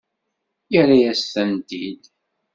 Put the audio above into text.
Yerra-yasen-tent-id.